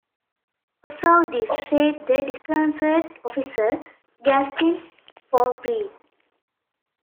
‘Observe this’ said the disconcerted officer, gasping for breath.